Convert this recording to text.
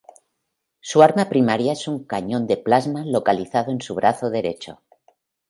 Su arma primaria es un cañón de plasma localizado en su brazo derecho.